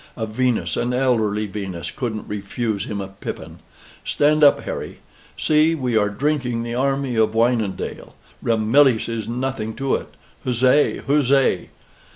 "A Venus, an elderly Venus, couldn't refuse him a pippin. Stand up, Harry. See, we are drinking the army of Wynendael. Ramillies is nothing to it. Huzzay! huzzay!"